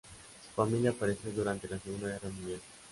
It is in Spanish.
Su familia pereció durante la Segunda Guerra Mundial.